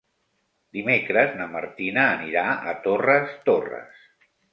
Dimecres na Martina anirà a Torres Torres.